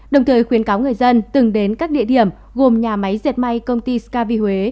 đồng thời khuyến cáo người dân từng đến các địa điểm gồm nhà máy dệt may công ty scav huế